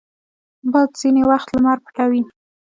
باد ځینې وخت لمر پټوي